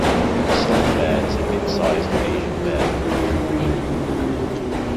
The Sloth Bear is a mid-sized Asian bear.